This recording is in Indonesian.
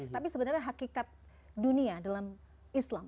tapi sebenarnya hakikat dunia dalam islam